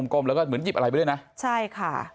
ก้มแล้วก็เหมือนหยิบอะไรไปด้วยนะใช่ค่ะ